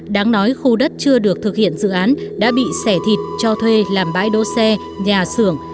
đáng nói khu đất chưa được thực hiện dự án đã bị xẻ thịt cho thuê làm bãi đỗ xe nhà xưởng